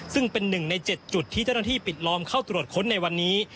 ซึ่งเป็นหนึ่งใน๗จุดที่เจ้าหน้าที่ปิดล้อมเข้าตรวจค้นในวันนี้